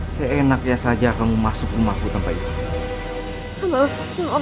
seenaknya saja kamu masuk rumahku tanpa izin